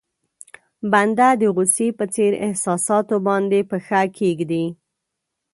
بنده د غوسې په څېر احساساتو باندې پښه کېږدي.